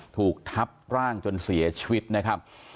ถูกทับร่างจนเสียชีวิตนะครับ